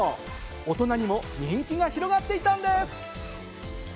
大人にも人気が広がっていたんです！